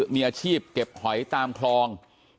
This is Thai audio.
มีอาชีพเก็บหอยตามคลอง